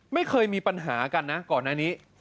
ไม่เคยมีปัญหากันนะก่อนหน้านี้